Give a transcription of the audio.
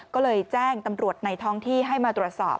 ก็เลยแจ้งตำรวจในท้องที่ให้มาตรวจสอบ